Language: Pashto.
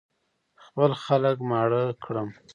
خپل خلک ماړه کړم.